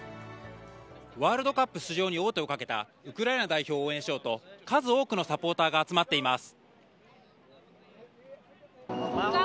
ワールドカップ出場に王手をかけたウクライナ代表を応援しようと数多くのサポーターが集まっています。